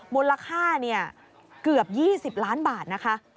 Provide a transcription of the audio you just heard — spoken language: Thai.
มูลค่าเกือบ๒๐ล้านบาทนะคะ